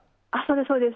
そうです。